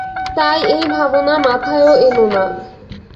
তাই এই ভাবনা মাথায়ও এনো না।